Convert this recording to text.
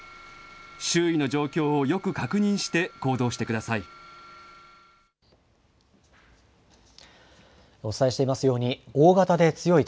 周囲の状況をよく確認して行動してください。